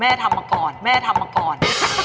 แม่ทำมาก่อน